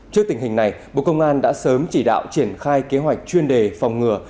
trước tình hình này bộ công an đã sớm chỉ đạo triển khai kế hoạch chuyên đề phòng ngừa